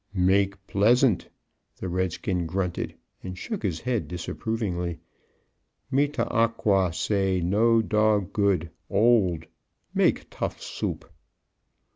"Make pleasant?" the redskin grunted, and shook his head disapprovingly. "Me tah ah qua say no dog good old make tough soup."